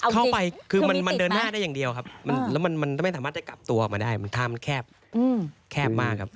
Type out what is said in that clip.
เข้าไปคือมันเดินหน้าได้อย่างเดียวครับแล้วมันไม่สามารถจะกลับตัวออกมาได้มันท่ามันแคบแคบมากครับ